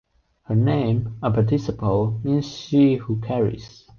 Her name, a participle, means she who carries.